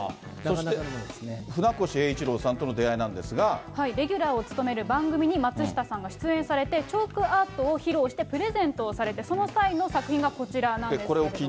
船越英一郎さんとの出会いなレギュラーを務める番組に松下さんが出演されて、チョークアートを披露して、プレゼントをされて、その際の作品がこちらなんですけれども。